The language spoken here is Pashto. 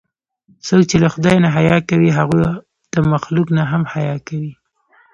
څوک چې له خدای نه حیا کوي، هغه د مخلوق نه هم حیا کوي.